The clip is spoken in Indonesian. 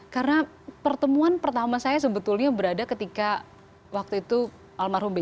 karena pertemuan pertama saya sebetulnya berada ketika waktu itu almarhum b j habibie berada di rumah saya